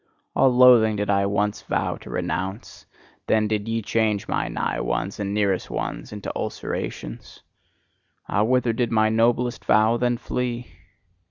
All loathing did I once vow to renounce: then did ye change my nigh ones and nearest ones into ulcerations. Ah, whither did my noblest vow then flee?